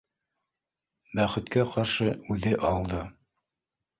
Бәхеткә ҡаршы, үҙе алды